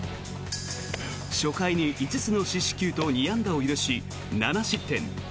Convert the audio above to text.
初回に５つの四死球と２安打を許し７失点。